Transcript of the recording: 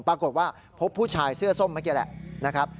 ปรากฏว่าพบผู้ชายเสื้อส้มเมื่อกี้แหละนะครับ